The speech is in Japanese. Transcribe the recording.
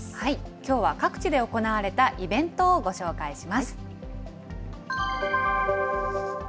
きょうは各地で行われたイベントをご紹介します。